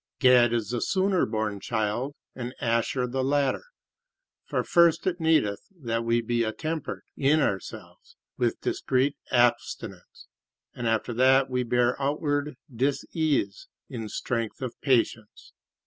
Gad is the sooner born child, and Asher the latter; for first it needeth that we be attempered in ourself with discreet abstinence, and after that we bear outward disease in strength of patience.